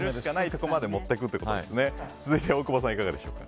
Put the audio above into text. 続いて大久保さんいかがでしょうか。